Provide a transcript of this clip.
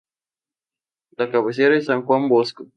Su cabecera es San Juan Bosco.